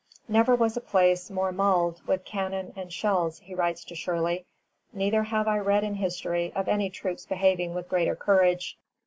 "Never was a place more mal'd [mauled] with cannon and shells," he writes to Shirley; "neither have I red in History of any troops behaving with greater courage.